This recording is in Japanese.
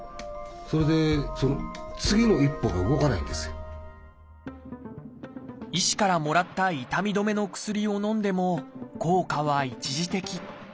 その医師からもらった痛み止めの薬をのんでも効果は一時的。